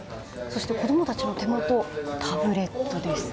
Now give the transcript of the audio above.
子供たちの手元にはタブレットです。